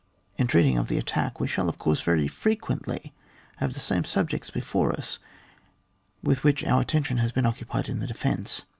^ In treating of the attack we shall, of course, very frequently have the same subjects before us with which our attention has been occupied in the defence.